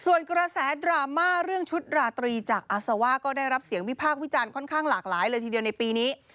ส่วนกระแสดราม่าเรื่องชุดราตรีจากอาซาว่าก็ได้รับเสียงวิพากษ์วิจารณ์ค่อนข้างหลากหลายเลยทีเดียวในปีนี้